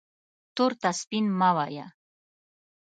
تور ته سپین مه وایه